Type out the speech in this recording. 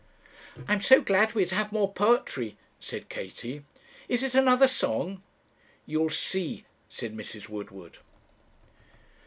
'I'm so glad we are to have more poetry,' said Katie. 'Is it another song?' 'You'll see,' said Mrs. Woodward.